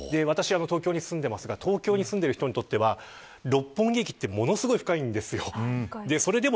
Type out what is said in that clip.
私は東京に住んでますが東京に住んでる人にとっては六本木駅ってものすごく深いんです。